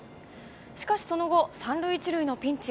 しかし、その後、３塁１塁のピンチ。